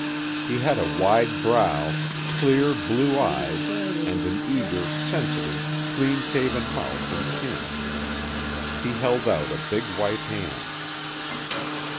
He had a wide brow, clear, blue eyes and an eager, sensitive, clean shaven mouth and chin. He held out a big white hand.